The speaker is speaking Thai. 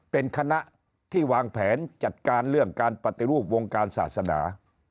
เป็นคณะที่วางแผนจัดการเรื่องการปฏิรูปวงการศาสนา